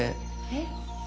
えっ？